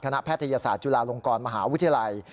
แพทยศาสตร์จุฬาลงกรมหาวิทยาลัย